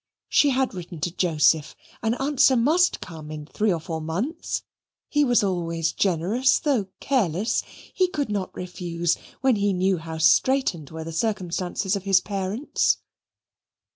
She had written to Joseph an answer must come in three or four months. He was always generous, though careless. He could not refuse, when he knew how straitened were the circumstances of his parents.